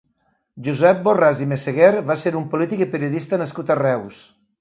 Josep Borràs i Messeguer va ser un polític i periodista nascut a Reus.